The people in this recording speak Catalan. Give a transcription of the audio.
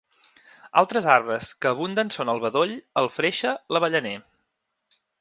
Altres arbres que abunden són: el bedoll, el freixe, l'avellaner.